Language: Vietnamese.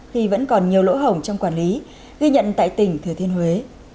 khi vẫn còn nhiều lỗ hổng trong quản lý ghi nhận tại tỉnh thừa thiên huế